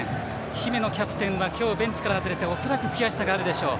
姫野キャプテンは今日ゲームから外れて恐らく悔しさがあるでしょう。